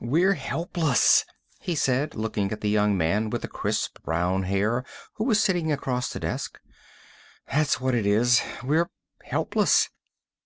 "We're helpless," he said, looking at the young man with the crisp brown hair who was sitting across the desk. "That's what it is, we're helpless."